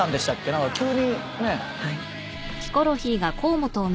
何か急にね。